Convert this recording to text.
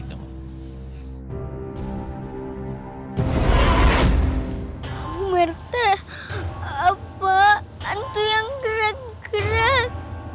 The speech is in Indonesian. aku merdek apa antu yang gerak gerak